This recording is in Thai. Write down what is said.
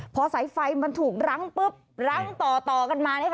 พอสายไฟมันถูกรั้งปุ๊บรั้งต่อต่อกันมานะคะ